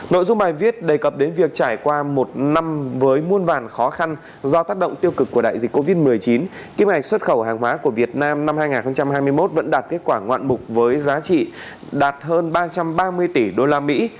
nội dung bài viết đề cập đến việc trải qua một năm với muôn vàn khó khăn do tác động tiêu cực của đại dịch covid một mươi chín kim ngạch xuất khẩu hàng hóa của việt nam năm hai nghìn hai mươi một vẫn đạt kết quả ngoạn mục với giá trị đạt hơn ba trăm ba mươi tỷ đô la mỹ